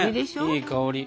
いい香り！